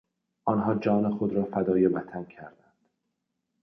آنها جان خود را فدای وطن کردند.